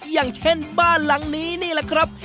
อย่างเช่นบ้านหลังนี้นี่แหละครับ